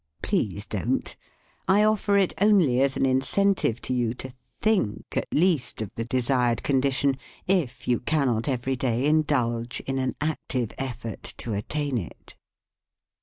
Please don't. I offer it only as an incentive to you, to think at least of the desired condition, if you cannot every day indulge in an active effort to attain it.